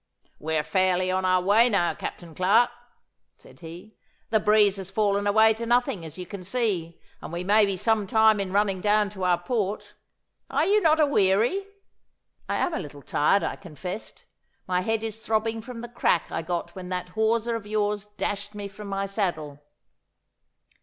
'We are fairly on our way now, Captain Clarke,' said he. 'The breeze has fallen away to nothing, as you can see, and we may be some time in running down to our port. Are you not aweary?' 'I am a little tired,' I confessed. 'My head is throbbing from the crack I got when that hawser of yours dashed me from my saddle.